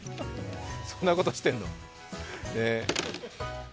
そんなことしてんの、へぇ。